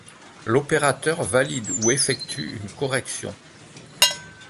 L'opérateur valide ou effectue une correction.